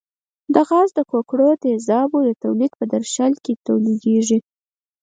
دا غاز د ګوګړو تیزابو د تولید په درشل کې تولیدیږي.